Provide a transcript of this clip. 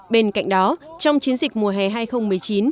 bên cạnh đó trong chiến dịch mùa hè hai nghìn một mươi chín